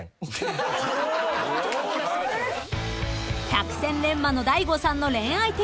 ［百戦錬磨の大悟さんの恋愛テクニック］